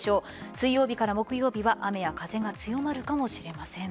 水曜日から木曜日は雨や風が強まるかもしれません。